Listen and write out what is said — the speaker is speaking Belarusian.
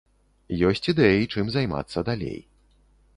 Ёсць ідэі, чым займацца далей.